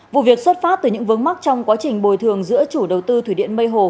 vụ việc xuất phát từ những vướng mắc trong quá trình bồi thường giữa chủ đầu tư thủy điện mây hồ